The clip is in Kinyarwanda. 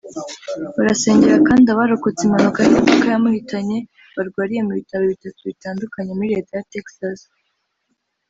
Barasengera kandi abarokotse impanuka y’imodoka yamuhitanye barwariye mu bitaro bitatu bitandukanye muri Leta ya Texas